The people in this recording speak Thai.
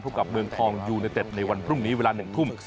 กับเมืองทองยูเนเต็ดในวันพรุ่งนี้เวลา๑ทุ่ม